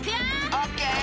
オッケー！